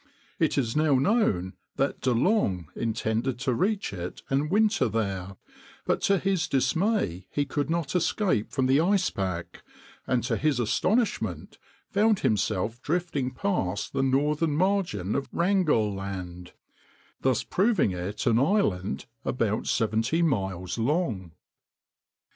It is now known that De Long intended to reach it and winter there; but to his dismay he could not escape from the ice pack, and to his astonishment found himself drifting past the northern margin of Wrangell Land, thus proving it an island about seventy miles long.